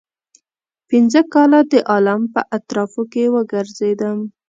پنځه کاله د عالم په اطرافو کې وګرځېدم.